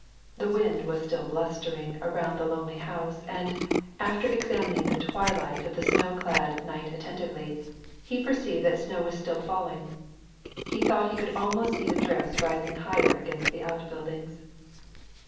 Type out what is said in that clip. The wind was still blustering about the lonely house, and, after examining the twilight of the snow clad night attentively, he perceived that snow was still falling. He thought he could almost see the drifts rising higher against the out buildings.